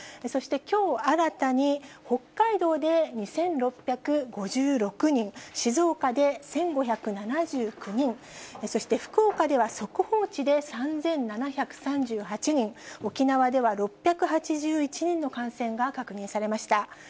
そしてきょう新たに北海道で２６５６人、静岡で１５７９人、そして福岡では速報値で３７３８人、沖縄では６８１人の感染が確認されました。